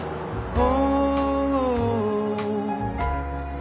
お？